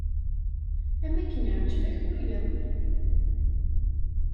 Am akken iɛǧeb-ak waya.